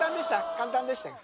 簡単でしたか？